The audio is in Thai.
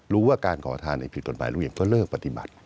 รู้ว่าการขอทานผิดกฎหมายลุงเหี่ยเพราะเลิกปฏิบัติ